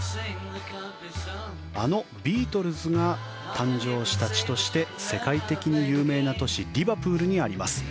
あのビートルズが誕生した地として世界的に有名な都市リバプールにあります